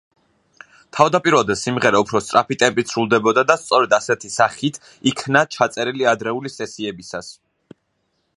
თავდაპირველად სიმღერა უფრო სწრაფი ტემპით სრულდებოდა და სწორედ ასეთი სახით იქნა ჩაწერილი ადრეული სესიებისას.